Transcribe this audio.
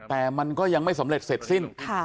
แต่มันก็ยังไม่สำเร็จเสร็จสิ้น